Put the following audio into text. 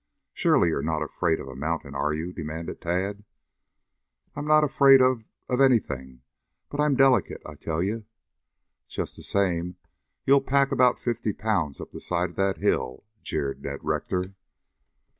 "Surely. You are not afraid of a mountain, are you?" demanded Tad. "I'm not afraid of of anything, but I'm delicate, I tell yau." "Just the same, you'll pack about fifty pounds up the side of that hill," jeered Ned Rector.